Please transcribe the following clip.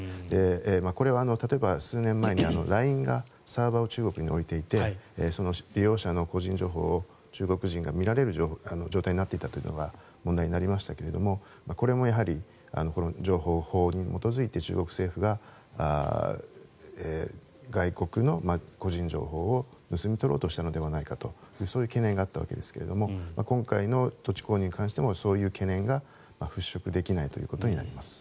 これは例えば数年前にＬＩＮＥがサーバーを中国に置いていて利用者の個人情報を中国人が見られる状態になっていたことが問題になりましたけれどこれもこの情報法に基づいて中国政府が外国の個人情報を盗み取ろうとしたのではないかとそういう懸念があったわけですが今回の土地購入に関してもそういう懸念が払しょくできないということになります。